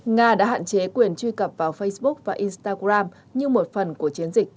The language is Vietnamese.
nga đã hạn chế quyền truy cập vào facebook và instagram như một phần của chiến dịch